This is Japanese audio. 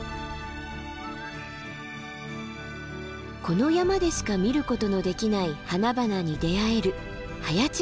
この山でしか見ることのできない花々に出会える早池峰山。